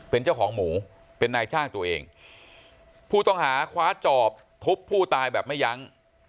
เป็นเจ้าของหมูเป็นนายจ้างตัวเองผู้ต้องหาคว้าจอบทุบผู้ตายแบบไม่ยั้ง